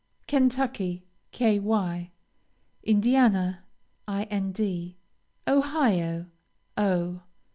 Kentucky, Ky. Indiana, Ind. Ohio, O.